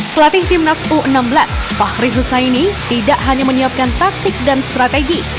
pelatih timnas u enam belas fahri husaini tidak hanya menyiapkan taktik dan strategi